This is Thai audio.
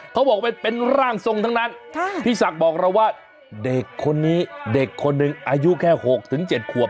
เขาบอกว่าเป็นร่างทรงทั้งนั้นพี่ศักดิ์บอกเราว่าเด็กคนนี้เด็กคนหนึ่งอายุแค่๖๗ขวบ